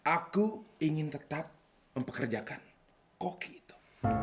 aku ingin tetap mempekerjakan koki itu